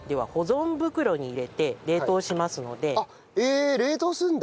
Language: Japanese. え冷凍するんだ。